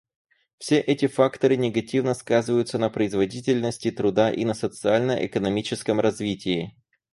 Все эти факторы негативно сказываются на производительности труда и на социально-экономическом развитии.